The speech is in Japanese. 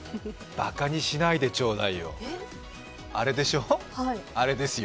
ばかにしないでちょうだいよあれでしょ、あれですよ。